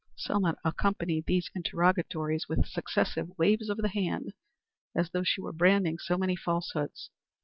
Selma accompanied these interrogatories with successive waves of the hand, as though she were branding so many falsehoods.